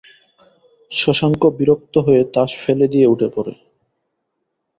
শশাঙ্ক বিরক্ত হয়ে তাস ফেলে দিয়ে উঠে পড়ে।